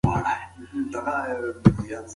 ماشومانو ته باید د ځان باورۍ درس ورکړل سي.